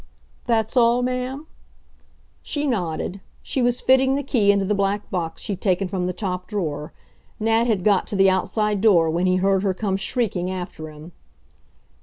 "That's all, ma'am?" She nodded. She was fitting the key into the black box she'd taken from the top drawer. Nat had got to the outside door when he heard her come shrieking after him.